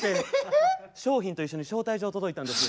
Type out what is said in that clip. ええ⁉商品と一緒に招待状届いたんです。